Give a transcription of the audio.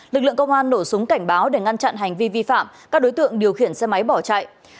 lực lượng công an nổ súng cảnh báo để ngăn chặn hành vi vi phạm các đối tượng điều khiển xe máy bỏ chạy